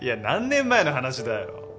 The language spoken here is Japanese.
何年前の話だよ？